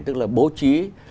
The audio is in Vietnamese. tức là bố trí